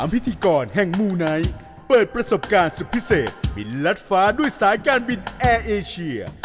พิธีกรแห่งมูไนท์เปิดประสบการณ์สุดพิเศษบินลัดฟ้าด้วยสายการบินแอร์เอเชีย